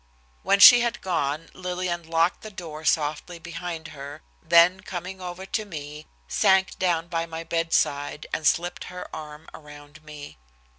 When she had gone Lillian locked the door softly behind her, then coming over to me, sank down by my bedside and slipped her arm around me.